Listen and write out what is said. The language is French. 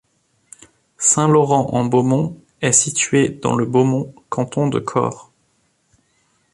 Saint-Laurent-en-Beaumont est située dans le Beaumont, canton de Corps.